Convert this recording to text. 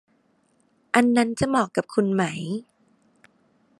อันนั้นจะเหมาะกับคุณไหม